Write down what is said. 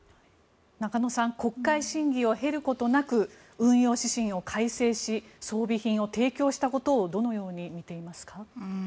中野さん国会審議を経ることなく運用指針を改正し装備品を提供したことをどのように見ていますか？